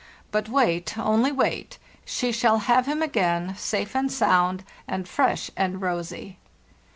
But wait, only wait! She shall have him again, safe and sound and fresh and rosy.